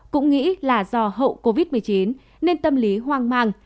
cũng nghĩ là do hậu covid một mươi chín nên tâm lý hoang mang